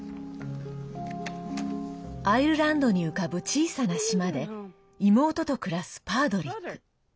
アイルランドに浮かぶ小さな島で妹と暮らす、パードリック。